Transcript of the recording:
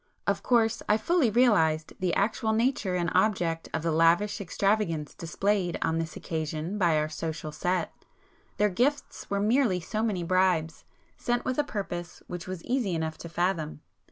Of course I fully realized the actual nature and object of the lavish extravagance displayed on this occasion by our social 'set,'—their gifts were merely so many bribes, sent with a purpose which was easy enough to fathom.